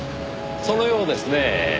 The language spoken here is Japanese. そのようですねぇ。